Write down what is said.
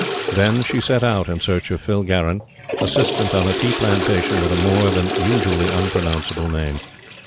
Then she set out in search of Phil Garron, Assistant on a tea plantation with a more than usually unpronounceable name.